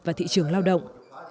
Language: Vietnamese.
và thị trường lao động